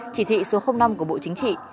chỉ thị số năm của bộ chính trị